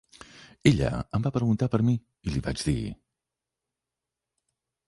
Ella em va preguntar per mi, i li vaig dir.